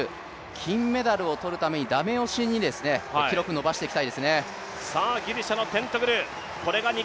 金メダルを取るために駄目押しに記録を伸ばしていきたいですね。